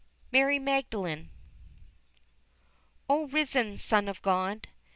MARY MAGDALENE. O risen Son of God!